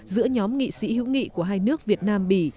giữa nhóm nghị sĩ hữu nghị của hai nước việt nam bỉ